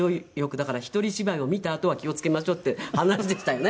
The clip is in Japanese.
だからひとり芝居を見たあとは気を付けましょうっていう話でしたよね。